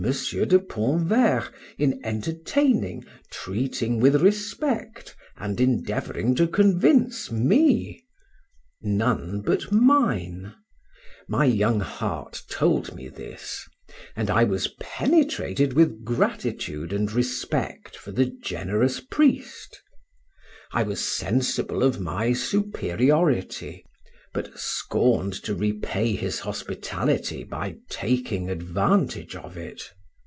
de Pontverre in entertaining, treating with respect, and endeavoring to convince me? None but mine; my young heart told me this, and I was penetrated with gratitude and respect for the generous priest; I was sensible of my superiority, but scorned to repay his hospitality by taking advantage of it.